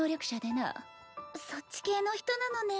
そっち系の人なのね。